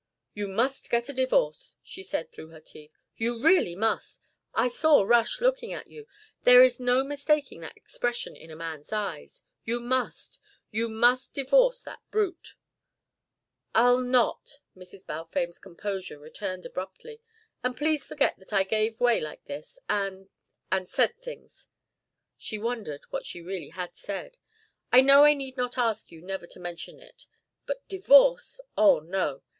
"You must get a divorce," she said through her teeth. "You really must. I saw Rush looking at you. There is no mistaking that expression in a man's eyes. You must you must divorce that brute." "I'll not!" Mrs. Balfame's composure returned abruptly. "And please forget that I gave way like this and and said things." She wondered what she really had said. "I know I need not ask you never to mention it. But divorce! Oh, no.